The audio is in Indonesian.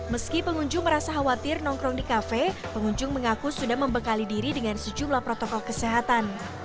meski pengunjung merasa khawatir nongkrong di kafe pengunjung mengaku sudah membekali diri dengan sejumlah protokol kesehatan